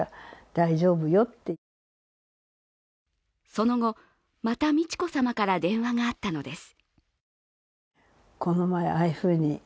その後、また美智子さまから電話があったのです。